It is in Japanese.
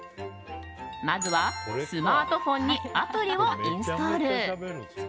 まずはスマートフォンにアプリをインストール。